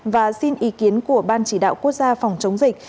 và xin ý kiến của ban chỉ đạo quốc gia phòng chống dịch